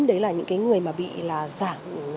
đấy là những người bị giảm